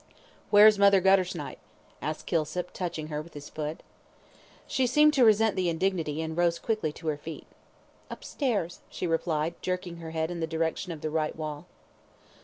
"Where's Mother Guttersnipe?" asked Kilsip, touching her with his foot. She seemed to resent the indignity, and rose quickly to her feet. "Upstairs," she replied, jerking her head in the direction of the right wall.